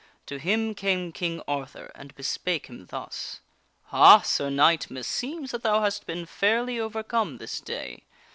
To him came King Arthur, and bespake him thus: King Arthur " Ha, Sir Knight, meseems that thou hast been fairly over come this day.